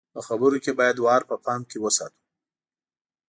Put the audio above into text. په خبرو کې بايد وار په پام کې وساتو.